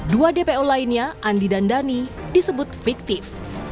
dua dpo lainnya andi dan dhani disebut fiktif